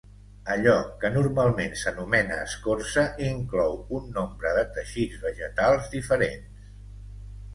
Allò que normalment s'anomena escorça inclou un nombre de teixits vegetals diferents.